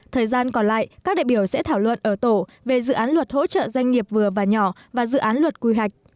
thời gian còn lại các đại biểu sẽ thảo luận ở tổ về dự án luật hỗ trợ doanh nghiệp vừa và nhỏ và dự án luật quy hoạch